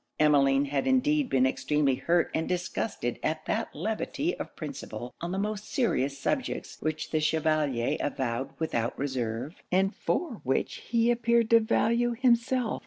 Emmeline had indeed been extremely hurt and disgusted at that levity of principle on the most serious subjects which the Chevalier avowed without reserve, and for which he appeared to value himself.